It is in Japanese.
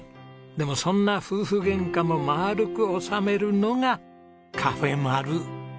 でもそんな夫婦ゲンカもまーるく収めるのが「カフェまる。」。